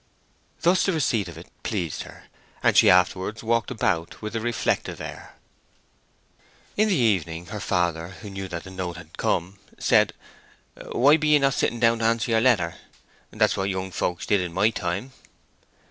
Thus the receipt of it pleased her, and she afterwards walked about with a reflective air. In the evening her father, who knew that the note had come, said, "Why be ye not sitting down to answer your letter? That's what young folks did in my time."